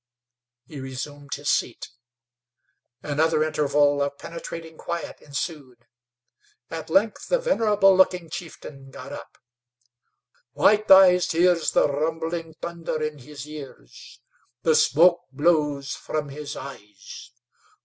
He resumed his seat. Another interval of penetrating quiet ensued. At length a venerable looking chieftain got up: "White Eyes hears the rumbling thunder in his ears. The smoke blows from his eyes.